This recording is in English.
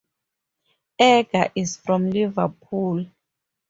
Ager is from Liverpool.